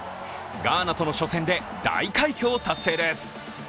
ガーナとの初戦で、大快挙を達成です。